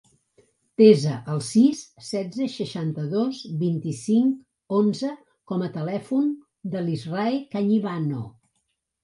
Desa el sis, setze, seixanta-dos, vint-i-cinc, onze com a telèfon de l'Israe Cañibano.